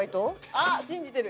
あっ信じてる！